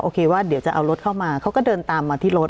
ว่าเดี๋ยวจะเอารถเข้ามาเขาก็เดินตามมาที่รถ